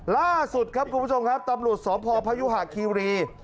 ล่าสุดครับคุณผู้ชมครับตำรวจสพพยุหะคีรี